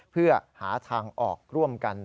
เพื่อหาทางออกร่วมกัน